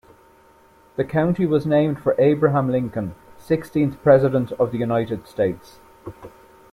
The county was named for Abraham Lincoln, sixteenth president of the United States.